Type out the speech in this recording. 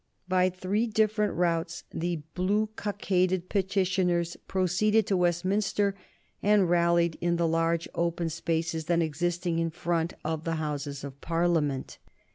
By three different routes the blue cockaded petitioners proceeded to Westminster, and rallied in the large open spaces then existing in front of the Houses of Parliament.